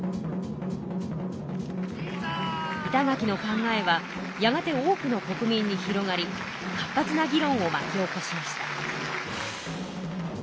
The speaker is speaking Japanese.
板垣の考えはやがて多くの国民に広がり活発な議論をまき起こしました。